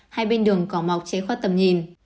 hai bên đường có mọc chế khoát tầm nhìn